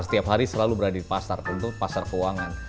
setiap hari selalu berada di pasar tentu pasar keuangan